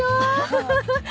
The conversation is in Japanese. ハハハッ。